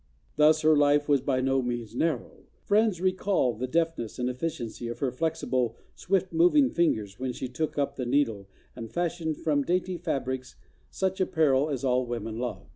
Thus her life was by no means narrow. Friends recall the deftness and efficiency of her flexible, swift moving fingers when she took up the needle and fashioned from dainty fabrics such apparel as all women love.